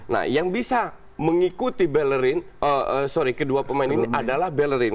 nah yang bisa mengikuti bellerin sorry kedua pemain ini adalah bellerin